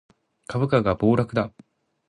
株価が暴落だ